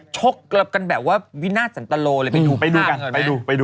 ชกกลับกันแบบว่าวินาทสันตะโลเลยไปดูภาพ